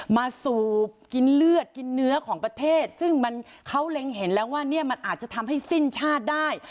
สูบกินเลือดกินเนื้อของประเทศซึ่งมันเขาเล็งเห็นแล้วว่าเนี่ยมันอาจจะทำให้สิ้นชาติได้